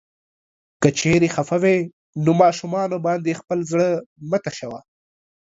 که چيرې خفه وې نو ماشومانو باندې خپل زړه مه تشوه.